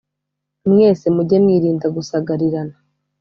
mwese mujye mwirinda gusagarirana